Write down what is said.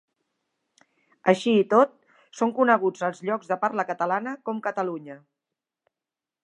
Així i tot són coneguts als llocs de parla catalana com Catalunya.